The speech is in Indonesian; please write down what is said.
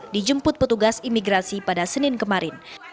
dijemput petugas imigrasi pada senin kemarin